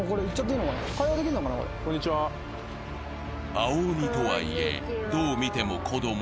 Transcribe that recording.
青鬼といえ、どう見ても子供。